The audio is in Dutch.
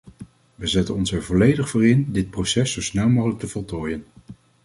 We zetten ons er volledig voor in dit proces zo snel mogelijk te voltooien.